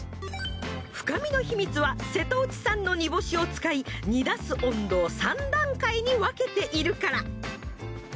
深みの秘密は瀬戸内産の煮干しを使い煮出す温度を３段階に分けているから。